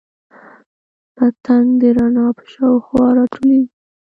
پتنګ د رڼا په شاوخوا راټولیږي